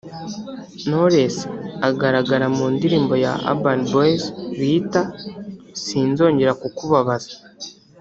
Knowless agaragara mu ndirimbo ya Urban Boys biita “Sinzongera kukubabaza”